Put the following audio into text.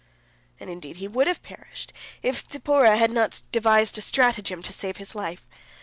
And, indeed, he would have perished, if Zipporah had not devised a stratagem to save his life.